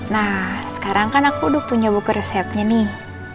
nah sekarang kan aku udah punya buku resepnya nih